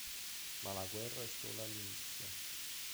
Ma la guerra è solo all'inizio.